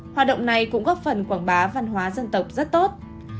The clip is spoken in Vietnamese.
hoạt động này cũng góp phần quảng bá văn hóa dân tộc rất tốt